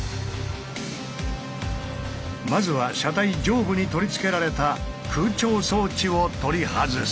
まずは車体上部に取り付けられた空調装置を取り外す。